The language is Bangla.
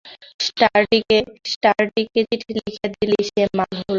স্টার্ডিকে চিঠি লিখিয়া দিলেই সে মাল লইবে।